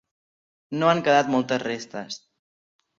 No han quedat moltes restes.